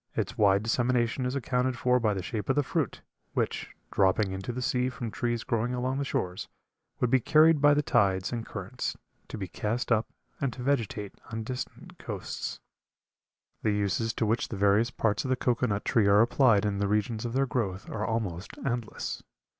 Its wide dissemination is accounted for by the shape of the fruit, which, dropping into the sea from trees growing along the shores, would be carried by the tides and currents to be cast up and to vegetate on distant coasts. The uses to which the various parts of the cocoa nut tree are applied in the regions of their growth are almost endless.